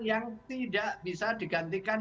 yang tidak bisa digantikan